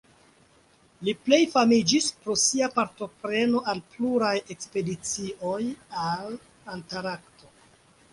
Li plej famiĝis pro sia partopreno al pluraj ekspedicioj al Antarkto.